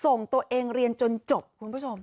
ส่งตัวเองเรียนจนจบคุณผู้ชม